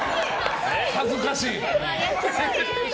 恥ずかしい！